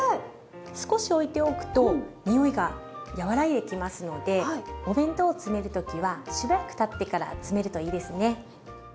少しおいておくと匂いが和らいできますのでお弁当を詰める時はしばらくたってから詰めるといいですね。